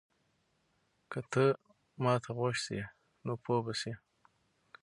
که ته ما ته غوږ سې نو پوه به سې.